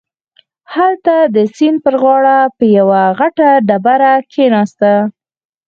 هلته د سيند پر غاړه په يوه غټه ډبره کښېناسته.